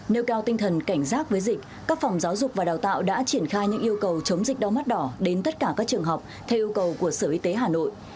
nêu cao tinh thần cảnh giác với dịch các phòng giáo dục và đào tạo đã triển khai những yêu cầu chống dịch đau mắt đỏ đến tất cả các trường học theo yêu cầu của sở y tế hà nội